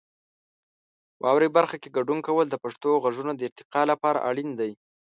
واورئ برخه کې ګډون کول د پښتو غږونو د ارتقا لپاره اړین دی.